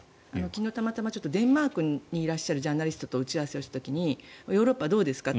昨日、たまたまデンマークにいらっしゃるジャーナリストと打ち合わせした時にヨーロッパどうですか？